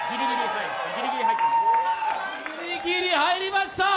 ギリギリ入りました。